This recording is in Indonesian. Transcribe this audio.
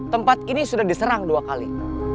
tempat ini sudah diserang dua kali